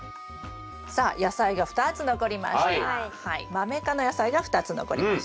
マメ科の野菜が２つ残りました。